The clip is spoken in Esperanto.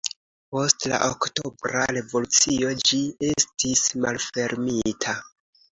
Post la Oktobra Revolucio ĝi estis malfermita.